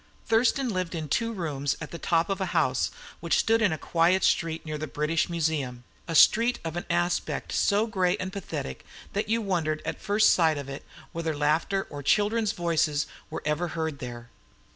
Thurston lived in two rooms at the top of a house which stood in a quiet street near the British Museum a street of an aspect so grey and pathetic that you wondered at first sight of it whether laughter or children's voices were ever heard there.